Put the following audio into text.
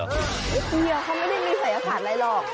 เมียเขาไม่ได้มีศัยศาสตร์อะไรหรอก